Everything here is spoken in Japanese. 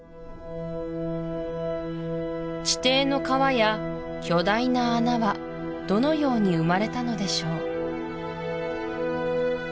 地底の川や巨大な穴はどのように生まれたのでしょう